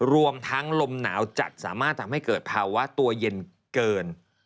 รวมทั้งลมหนาวจัดสามารถทำให้เกิดภาวะตัวเย็นเกิน